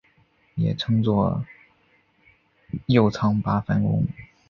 也称作镰仓八幡宫。